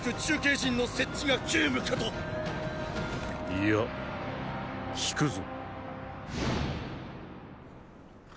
いや退くぞ。